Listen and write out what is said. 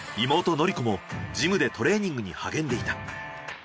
妹宜子もジムでトレーニングに励んでいた。